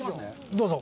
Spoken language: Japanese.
どうぞ。